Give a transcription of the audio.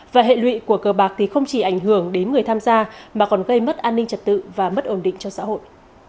và hệ lụy của cờ bạc thì không chỉ ảnh hưởng đến người tham gia mà còn gây mất an ninh trật tự và mất ổn định cho xã hội